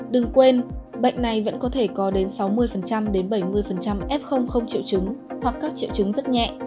đừng quên bệnh này vẫn có thể có đến sáu mươi bảy mươi ép không không triệu chứng hoặc các triệu chứng rất nhẹ